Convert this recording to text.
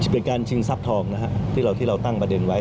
เป็นการชิงทรัพย์ทองนะฮะที่เราตั้งประเด็นไว้